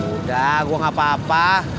udah gue gak apa apa